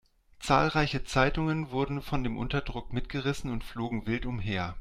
Zahlreiche Zeitungen wurden von dem Unterdruck mitgerissen und flogen wild umher.